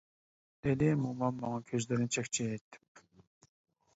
— دېدى مومام ماڭا كۆزلىرىنى چەكچەيتىپ.